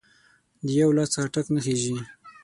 د یو لاس څخه ټک نه خیژي